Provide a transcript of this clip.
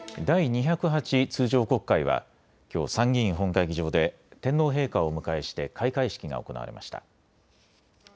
第２０８通常国会はきょう参議院本会議場で天皇陛下をお迎えして開会式が行われました。